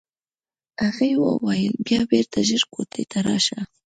هغه یې وویل بیا بېرته ژر کوټې ته راشه.